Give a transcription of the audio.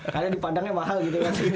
karena dipandangnya mahal gitu kan